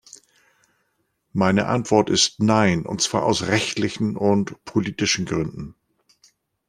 Meine Antwort ist nein, und zwar aus rechtlichen und politischen Gründen.